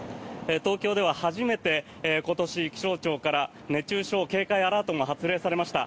東京では初めて今年、気象庁から熱中症警戒アラートが発令されました。